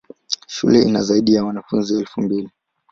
Shule ina zaidi ya wanafunzi elfu mbili.